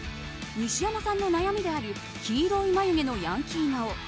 西山さんの悩みである黄色い眉毛のヤンキー顔